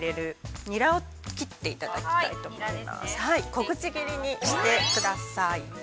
◆小口切りにしてください。